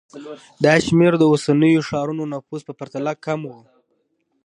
دا شمېر د اوسنیو ښارونو نفوس په پرتله کم و